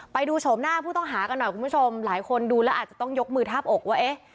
โฉมหน้าผู้ต้องหากันหน่อยคุณผู้ชมหลายคนดูแล้วอาจจะต้องยกมือทาบอกว่าเอ๊ะ